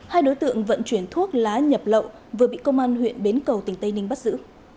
hai đối tượng vận chuyển thuốc lá nhập lậu vừa bị công an huyện bến cầu tỉnh tây ninh bắt giữ